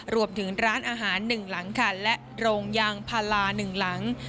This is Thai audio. รวมถึงร้านอาหาร๑หลังค่ะและโรงยางพารา๑หลัง